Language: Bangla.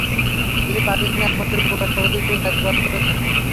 তিনি পাকিস্তানের একমাত্র উপরাষ্ট্রপতি হিসেবে দায়িত্ব পালন করেছেন।